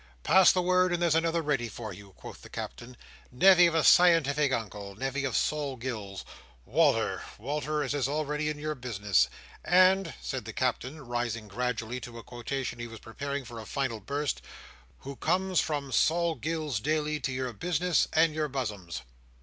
"Pass the word, and there's another ready for you," quoth the Captain. "Nevy of a scientific Uncle! Nevy of Sol Gills! Wal"r! Wal"r, as is already in your business! And"—said the Captain, rising gradually to a quotation he was preparing for a final burst, "who—comes from Sol Gills's daily, to your business, and your buzzums."